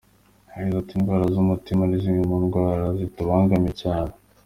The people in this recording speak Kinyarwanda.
Yagize ati “Indwara z’umutima ni zimwe mu ndwara zitubangamiye cyane.